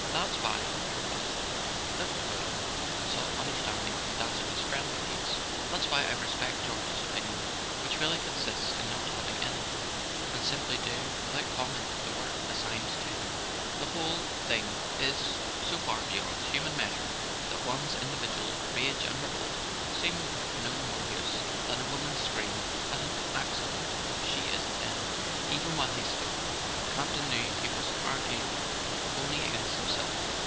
That's why— " he paused, looked about him, and sought understanding in Dastrey's friendly gaze: "That's why I respect George's opinion, which really consists in not having any, and simply doing without comment the work assigned to him. The whole thing is so far beyond human measure that one's in¬ dividual rage and revolt seem of no more use than a woman's scream at an accident she isn't in." Even while he spoke, Campton knew he was argu¬ ing only against himself.